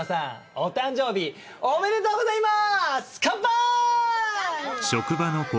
おめでとうございます！